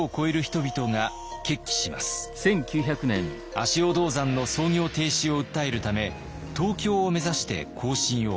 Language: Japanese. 足尾銅山の操業停止を訴えるため東京を目指して行進を開始。